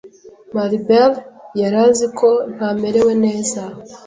Maribelle, yari azi ko ntamerewe neza